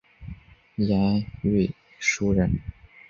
严虞敦人。